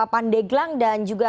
pandeglang dan juga